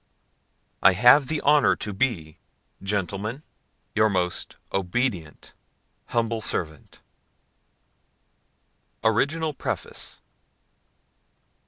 I have the honour to be, GENTLEMEN, Your most obedient Humble Servant, ORIGINAL PREFACE.